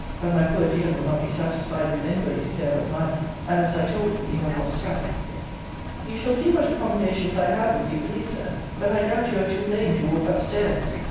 But my poor dear will not be satisfied with any body's care but mine. And, as I told thee, we have lost time. You shall see what accommodations I have, if you please, Sir. But I doubt you are too lame to walk up stairs.